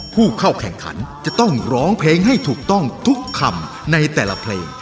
ผู้เข้าแข่งขันจะต้องร้องเพลงให้ถูกต้องทุกคำในแต่ละเพลง